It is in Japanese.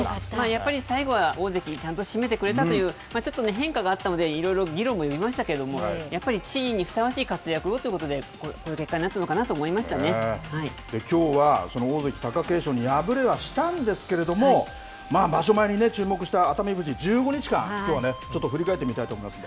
やっぱり最後は大関、ちゃんと締めてくれたという、ちょっとね、変化があったので、いろいろ議論もありましたけれども、やっぱり地位にふさわしい活躍をということで、この結果になったのかきょうは、その大関・貴景勝に敗れはしたんですけれども、まあ、場所前に注目した熱海富士、１５日間、きょうはね、ちょっと振り返ってみたいと思います。